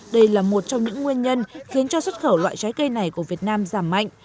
đây là một trong những nguyên nhân khiến cho xuất khẩu loại trái cây này của việt nam giảm mạnh